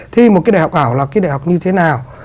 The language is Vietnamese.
thi một cái đại học ảo là cái đại học như thế nào